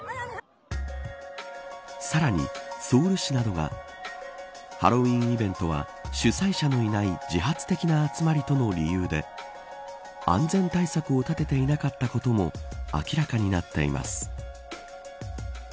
さらに、ソウル市などはハロウィーンイベントは主催者のいない自発的な集まりとの理由で安全対策を立てていなかったことも明らかになっています。